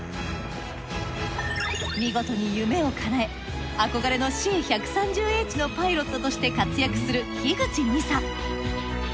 見事に夢を叶え憧れのＣ−１３０Ｈのパイロットとして活躍する樋口２佐。